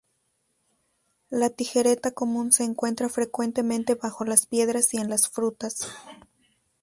La tijereta común se encuentra frecuentemente bajo las piedras y en las frutas.